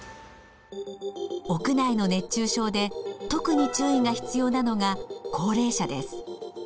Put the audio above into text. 屋内の熱中症で特に注意が必要なのが高齢者です。